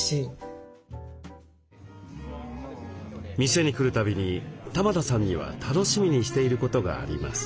店に来るたびに玉田さんには楽しみにしていることがあります。